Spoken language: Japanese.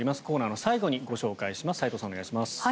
コーナーの最後にご紹介します。